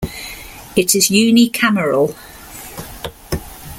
It is unicameral.